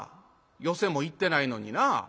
寄席も行ってないのになぁ。